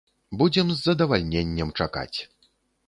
Будзем з задавальненнем чакаць.